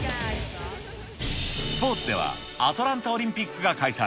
スポーツでは、アトランタオリンピックが開催。